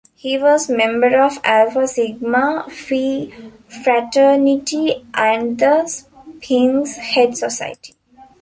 He was a member of Alpha Sigma Phi Fraternity and the Sphinx Head Society.